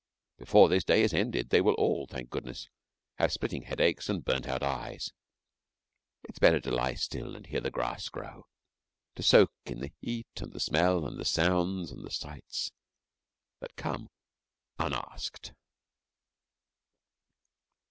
Before this day is ended, they will all, thank goodness, have splitting headaches and burnt out eyes. It is better to lie still and hear the grass grow to soak in the heat and the smell and the sounds and the sights that come unasked.